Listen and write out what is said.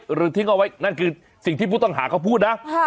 ทิ้งเอาไว้นั่นคือสิ่งที่ผู้ต้องหาเขาพูดนะ